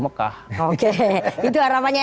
mekah oke itu harapannya